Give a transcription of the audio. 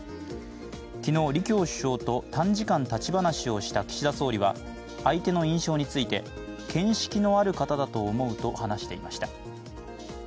昨日、李強首相と短時間立ち話をした岸田総理は、相手の印象について見識のある方だと思うと話していました。